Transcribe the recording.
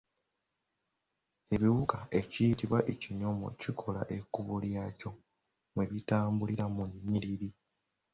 Ebiwuka ekiyitibwa ekinyomo kikola ekkuba lyakyo mwe bitambulira mu nnyiriri.